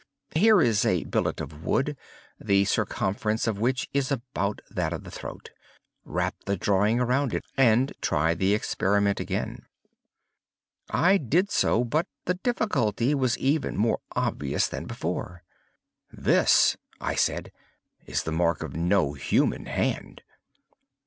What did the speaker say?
Here is a billet of wood, the circumference of which is about that of the throat. Wrap the drawing around it, and try the experiment again." I did so; but the difficulty was even more obvious than before. "This," I said, "is the mark of no human hand."